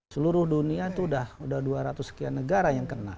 seluruh dunia itu sudah dua ratus sekian negara yang kena